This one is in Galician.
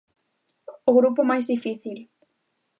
O grupo máis difícil.